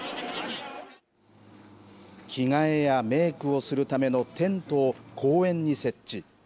着替えやメークをするためのテントを公園に設置。